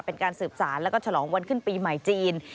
เป็นการสืบสารแล้วก็ฉลองวันขึ้นปีใหม่จีน